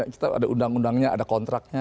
kita ada undang undangnya ada kontraknya